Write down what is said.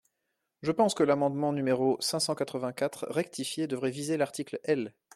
Je pense que l’amendement numéro cinq cent quatre-vingt-quatre rectifié devrait viser l’article L.